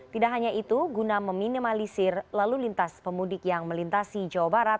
tidak hanya itu guna meminimalisir lalu lintas pemudik yang melintasi jawa barat